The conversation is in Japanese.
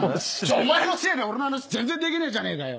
お前のせいで俺の話全然できねえじゃねえかよ。